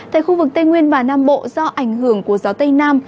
tại khu vực tây nguyên và nam bộ do ảnh hưởng của gió tây nam